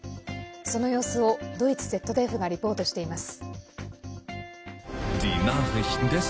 その様子を、ドイツＺＤＦがリポートしています。